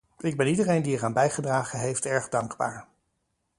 Ik ben iedereen die eraan bijgedragen heeft erg dankbaar.